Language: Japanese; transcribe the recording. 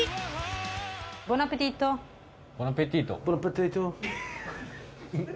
ボナペティート？